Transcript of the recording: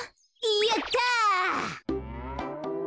やった！